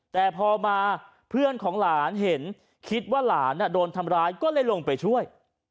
แต่พอมาเพื่อนของหลานเห็นคิดว่าหลานโดนทำร้ายก็เลยลงไปช่วย